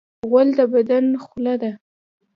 غول د بدن خوله ده.